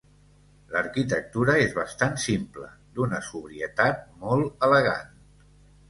L'arquitectura és bastant simple, d'una sobrietat molt elegant.